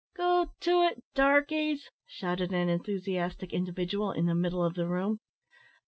"Go it, darkies!" shouted an enthusiastic individual in the middle of the room.